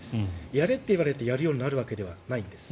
やれって言われてやるようになるわけじゃないんです。